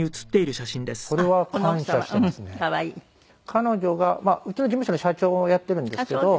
彼女がうちの事務所の社長をやっているんですけど。